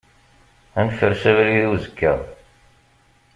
Ad nfers abrid i uzekka.